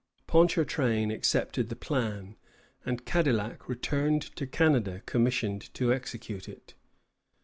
Ponchartrain accepted the plan, and Cadillac returned to Canada commissioned to execute it.